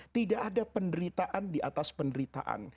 tidak ada penderitaan di atas penderitaan